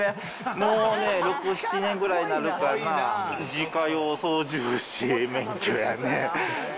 もうね、６、７年ぐらいになるかな、自家用操縦士の免許やね。